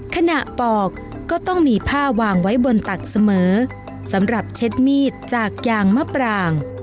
ปอกก็ต้องมีผ้าวางไว้บนตักเสมอสำหรับเช็ดมีดจากยางมะปราง